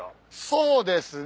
そうですね。